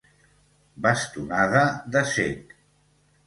Bastonada de cec.